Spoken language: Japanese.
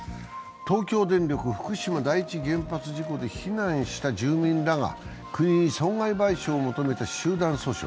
東京電力・福島第一原発事故で避難した住民らが国に損害賠償を求めた集団訴訟。